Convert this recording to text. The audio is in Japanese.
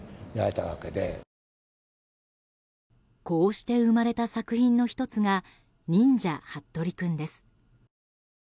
こうして生まれた作品の１つが「忍者ハットリくん」です。